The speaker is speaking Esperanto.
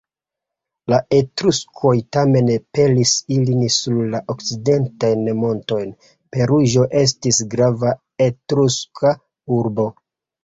La Etruskoj tamen pelis ilin sur la okcidentajn montojn; Peruĝo estis grava etruska urbo.